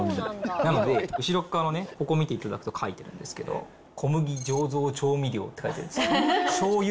なので、後ろ側のここ見ていただくと書いてあるんですけど、小麦醸造調味料って書いてあるんです。